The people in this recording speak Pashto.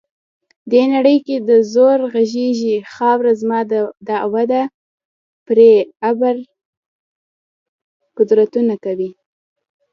دې نړۍ کې زور غږیږي، خاوره زما دعوه پرې ابر قدرتونه کوي.